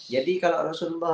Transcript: jadi kalau rasulullah